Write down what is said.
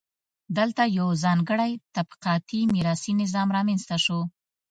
دلته یو ځانګړی طبقاتي میراثي نظام رامنځته شو.